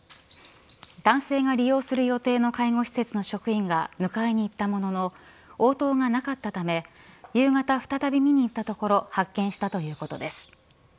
男性が利用する予定の介護施設の職員が迎えに行ったものの応答がなかったため夕方、再び見に行ったところ発見したということです。